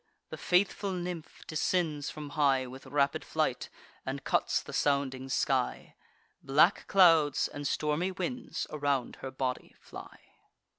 The faithful nymph descends from high With rapid flight, and cuts the sounding sky: Black clouds and stormy winds around her body fly.